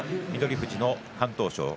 富士への敢闘賞。